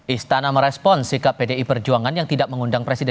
istana merespon sikap pdi perjuangan yang tidak mengundang presiden